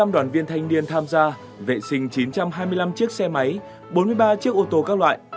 một trăm sáu mươi năm đoàn viên thanh niên tham gia vệ sinh chín trăm hai mươi năm chiếc xe máy bốn mươi ba chiếc ô tô các loại